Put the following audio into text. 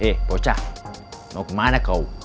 eh bocah mau kemana kau